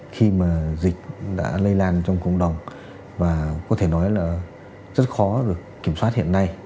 khi mà dịch đã lây lan trong cộng đồng và có thể nói là rất khó được kiểm soát hiện nay